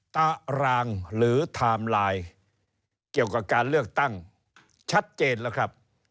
ตารางหรือไทม์ไลน์เกี่ยวกับการเลือกตั้งชัดเจนแล้วครับ